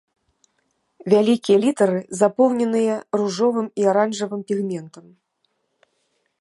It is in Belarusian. Вялікія літары запоўненыя ружовым і аранжавым пігментам.